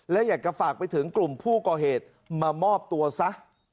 และอยากจะฝากไปถึงกลุ่มผู้ก่อเหตุมามอบตัวซะ